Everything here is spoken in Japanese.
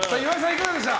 いかがでした？